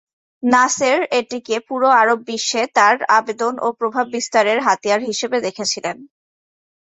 নাসের এটিকে পুরো আরব বিশ্বে তার আবেদন ও প্রভাব বিস্তারের হাতিয়ার হিসেবে দেখেছিলেন।